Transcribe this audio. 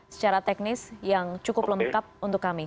secara teknis yang cukup lengkap untuk kami